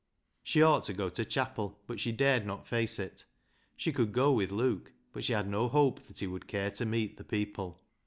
She ought to go to chapel, but she dared not face it. She could go with Luke, but she had no hope that he would care to meet the people.